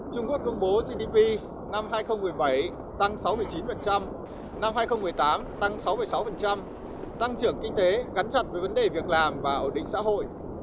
trung quốc công bố gdp năm hai nghìn một mươi bảy tăng sáu mươi chín năm hai nghìn một mươi tám tăng sáu sáu tăng trưởng kinh tế gắn chặt với vấn đề việc làm và ổn định xã hội